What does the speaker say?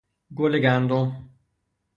گل گندم